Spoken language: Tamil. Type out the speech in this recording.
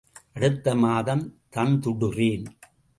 அடுத்த மாதம் தந்துடறேன்.